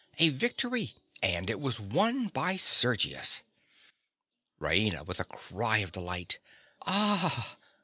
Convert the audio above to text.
A victory! And it was won by Sergius. RAINA. (with a cry of delight). Ah!